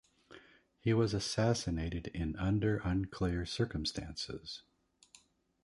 He was assassinated in under unclear circumstances.